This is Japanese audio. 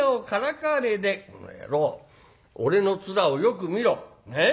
「この野郎俺の面をよく見ろ。ね？